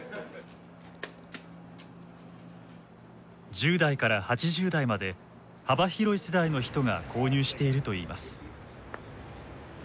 １０代から８０代まで幅広い世代の人が購入しているといいます。